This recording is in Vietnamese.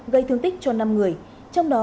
gây thương tích cho năm người trong đó